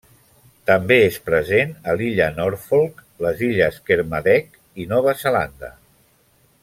També és present a l'illa Norfolk, les illes Kermadec i Nova Zelanda.